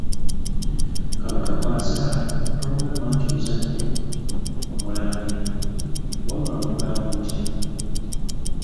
Kabaka bw'azaala tomugamba nti ozadde “omulangira” wabula omugamba otya?